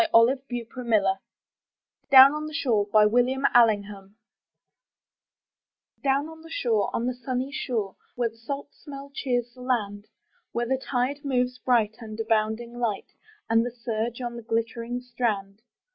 121 M Y BOOK HOUSE m^ DOWN ON THE SHORE William Allingham Down on the shore, on the sunny shore, Where the salt smell cheers the land. Where the tide moves bright under bounding light, And the surge on the glittering strand.